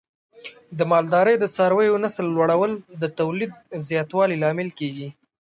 د مالدارۍ د څارویو نسل لوړول د تولید زیاتوالي لامل کېږي.